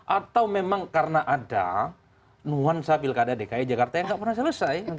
atau memang karena ada nuansa pilkada dki jakarta yang nggak pernah selesai